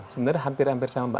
sebenarnya hampir hampir sama mbak